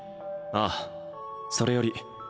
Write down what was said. ああそれより